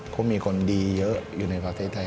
เขามีคนดีเยอะอยู่ในประเทศไทย